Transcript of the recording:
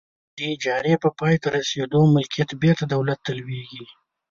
د اجارې په پای ته رسیدو ملکیت بیرته دولت ته لویږي.